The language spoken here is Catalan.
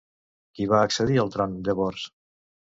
Qui va accedir al tron, llavors?